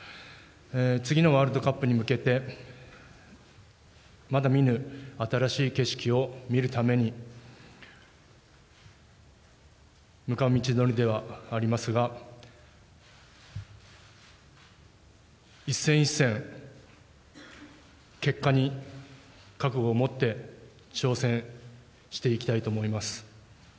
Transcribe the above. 次のワールドカップに向けて、まだ見ぬ新しい景色を見るために、向かう道のりではありますが、一戦一戦、結果に覚悟を持って、挑戦していきたいと思います。